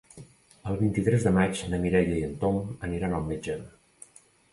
El vint-i-tres de maig na Mireia i en Tom aniran al metge.